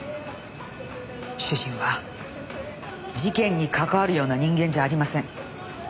主人は事件に関わるような人間じゃありません。